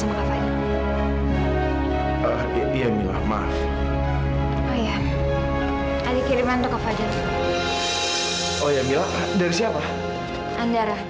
yang sudah bisa kita tapi lus pku